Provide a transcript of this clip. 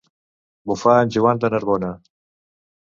Bufar en Joan de Narbona.